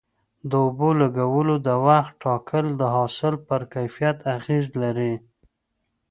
د اوبو لګولو د وخت ټاکل د حاصل پر کیفیت اغیزه لري.